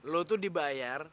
lu tuh dibayar